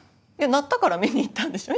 鳴ったから見に行ったんでしょ？